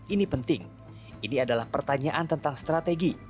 ini penting ini adalah pertanyaan tentang strategi